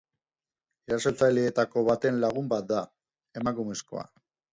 Erasotzaileetako baten lagun bat da, emakumezkoa.